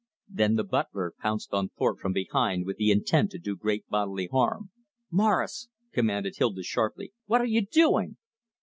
Then the butter pounced on Thorpe from behind with the intent to do great bodily harm. "Morris!" commanded Hilda sharply, "what are you doing?"